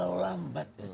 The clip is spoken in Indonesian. tapi terlalu lambat